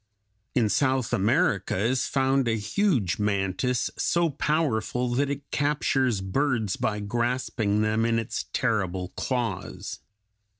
] In South America is found a huge mantis so powerful that it captures birds by grasping them in its terrible claws.